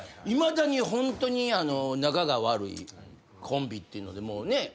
いまだにホントに仲が悪いコンビっていうのでもうね